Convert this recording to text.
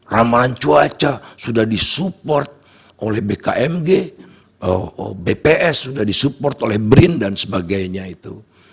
ramalan cuaca sudah disupport oleh bkmg bps sudah disupport oleh brin dan sebagainya itu